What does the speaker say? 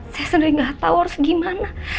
saya sendiri nggak tahu harus gimana